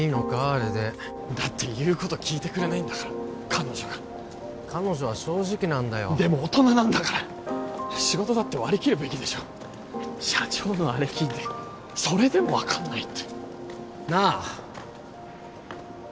あれでだって言うこと聞いてくれないんだから彼女が彼女は正直なんだよでも大人なんだから仕事だって割り切るべきでしょう社長のあれ聞いてそれでも分かんないってなあ！